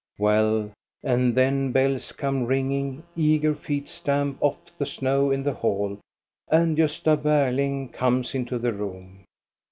Well, and then bells come ringing, eager feet stamp off the snow in the hall, and Gbsta Berling comes into the room.